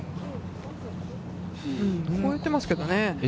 越えてますけどね。